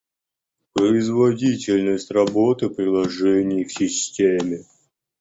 Производительность работы приложений в системе